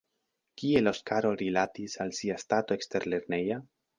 Kiel Oskaro rilatis al sia stato eksterlerneja?